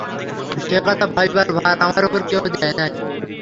সে কথা ভাবিবার ভার আমার উপর কেহ দেয় নাই।